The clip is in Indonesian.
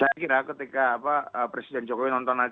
apakah juga wawasan kebebasan pers favorite dalam latihan eksekutif